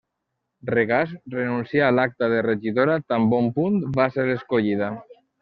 Regàs renuncià a l'acta de regidora tan bon punt va ser escollida.